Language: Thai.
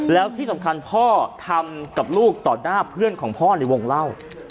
แล้วที่สำคัญพ่อทำกับลูกต่อหน้าเพื่อนของพ่อในวงเล่า